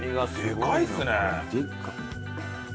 でかいですね！